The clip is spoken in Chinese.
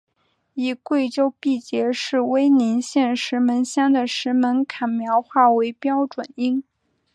以贵州毕节市威宁县石门乡的石门坎苗话为标准音。